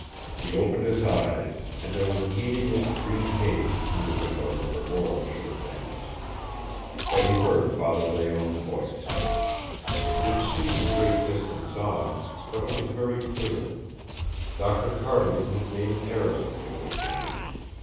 He opened his eyes, and there was a meaningless green haze through the window where the world should have been. But he heard Father Layonne's voice. It seemed a great distance off, but it was very clear. Doctor Cardigan had made an error, it was saying.